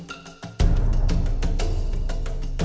ทั้งรักเท่านี้ฉันเล่มทุกเวลา